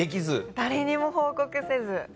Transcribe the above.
誰にも報告せず。